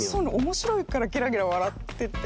面白いからゲラゲラ笑ってて。